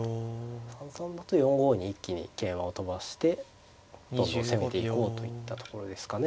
３三だと４五に一気に桂馬を跳ばしてどんどん攻めていこうといったところですかね。